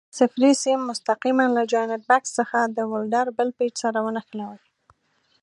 صفري سیم مستقیماً له جاینټ بکس څخه د ولډر بل پېچ سره ونښلوئ.